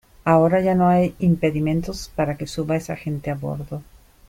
ahora ya no hay impedimentos para que suba esa gente a bordo.